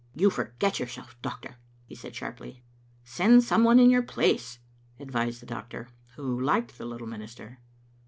" You forget yourself, doctor," he said sharply. "Send some one in your place," advised the doctor, who liked the little minister.